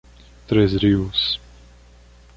Três Rios